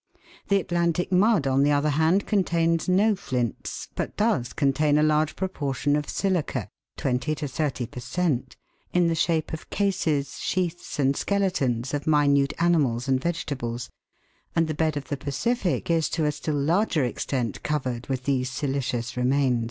The Atlantic mud, on the other hand, contains no flints, but does contain a large proportion of silica (twenty to thirty per cent), in the shape of cases, sheaths, and skeletons of minute animals and vegetables, and the bed of the Pacific is to a still larger extent covered with these silicious remains.